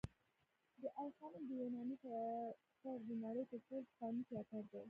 د آی خانم د یوناني تیاتر د نړۍ تر ټولو پخوانی تیاتر دی